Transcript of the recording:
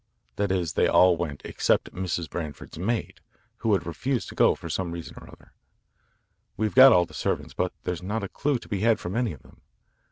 That is, they all went except Mrs. Branford's maid, who refused to go for some reason or other. We've got all the servants, but there's not a clue to be had from any of them.